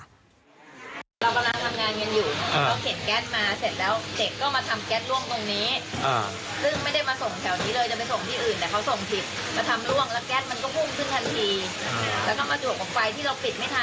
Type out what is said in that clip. แล้วก็คนเจ็บร้านขายก๋วยเตี๋ยวก็บาดเจ็บค่ะ